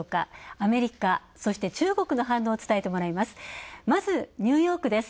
アメリカ、そして中国の反応を伝えてもらいます。